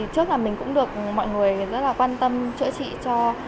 trước mình cũng được mọi người rất quan tâm chữa trị cho